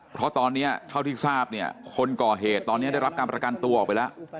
เพราะตอนนี้เท่าที่ทราบเนี่ยคนก่อเหตุตอนนี้ได้รับการประกันตัวออกไปแล้ว